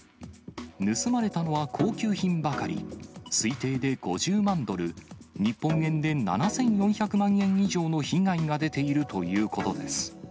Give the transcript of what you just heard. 盗まれたのは高級品ばかり、推定で５０万ドル、日本円で７４００万円以上の被害が出ているということです。